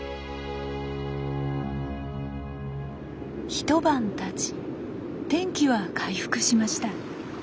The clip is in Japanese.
一晩たち天気は回復しました。